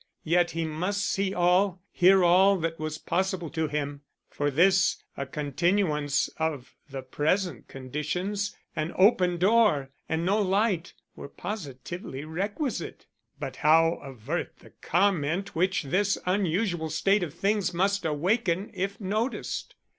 Yet he must see all, hear all that was possible to him. For this a continuance of the present conditions, an open door and no light, were positively requisite. But how avert the comment which this unusual state of things must awaken if noticed?